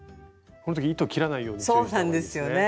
この時糸切らないように注意した方がいいですね。